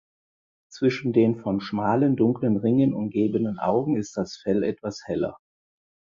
Zwischen den von schmalen dunklen Ringen umgebenen Augen ist das Fell etwas heller.